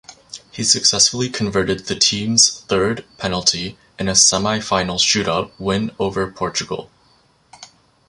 He successfully converted the team's third penalty in a semi-final shoot-out win over Portugal.